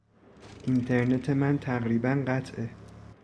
اینترنت من تقریباً قطعه.